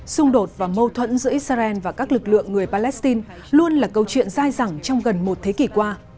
xung đột và mâu thuẫn giữa israel và các lực lượng người palestine luôn là câu chuyện dài dẳng trong gần một thế kỷ qua